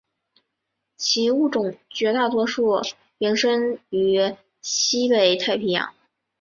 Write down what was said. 其物种绝大多数原生于西北太平洋。